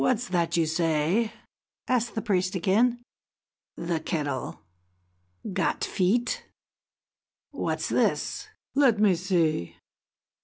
what! What's that you say?" asked the priest again. "The kettle got feet! What's this! Let me see!"